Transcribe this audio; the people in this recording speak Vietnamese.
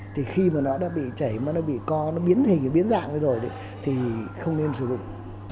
thì khi mà nó đã bị chảy mà nó bị co nó biến hình biến dạng rồi thì không nên sử dụng